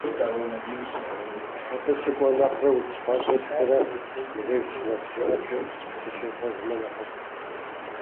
Абы сыкӀуэ нэхърэ, удз щхъуантӀэ сшхырэ, мыбдеж псынэпс щӀыӀэ сыщытефыхьыжмэ, нэхъыфӀщ.